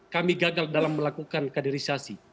kami gagal dalam melakukan kaderisasi